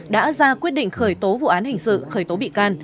đã ra quyết định khởi tố vụ án hình sự khởi tố bị can